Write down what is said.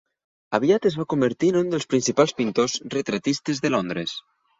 Aviat es va convertir en un dels principals pintors retratistes de Londres.